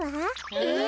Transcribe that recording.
えっ？